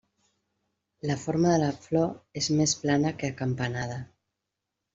La forma de la flor és més plana que acampanada.